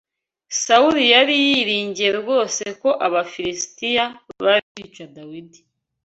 Sawuli yari yiringiye rwose ko Abafilisitiya bari kwica Dawidi